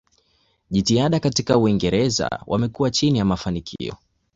Jitihada katika Uingereza wamekuwa chini ya mafanikio.